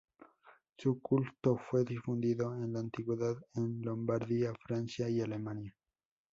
Su culto fue difundido en la antigüedad en Lombardía, Francia y Alemania.